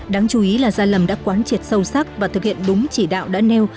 đáng chú ý là gia lâm đã quán triệt sâu sắc và thực hiện đúng chỉ đạo đã nêu